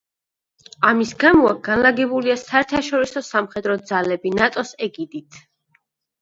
ამის გამო აქ განლაგებულია საერთაშორისო–სამხედრო ძალები ნატოს ეგიდით.